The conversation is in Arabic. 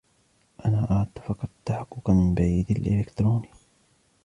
أنا أردت فقط التحقق من بريدي الإلكتروني.